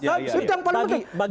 itu yang paling penting